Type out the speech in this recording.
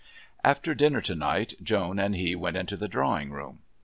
After dinner to night Joan and he went into the drawing room.